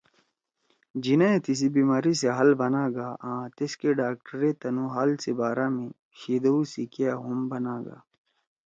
جناح ئے تیِسی بیمأری سی حال بنا گأ آں تیسکے ڈاکٹرائے تنُو حال سی بارا می شِیدَؤ سی کیا ہُم بنا گا